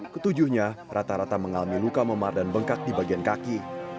ketujuhnya rata rata mengalami luka memar dan bengkak di bagian kaki